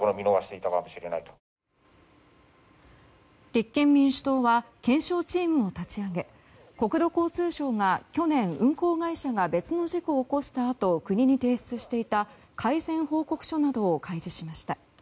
立憲民主党は検証チームを立ち上げ国土交通省が去年、運航会社が別の事故を起こしたあと国に提出していた改善報告書などを開示しました。